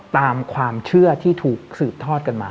ตามความเชื่อที่ถูกสืบทอดกันมา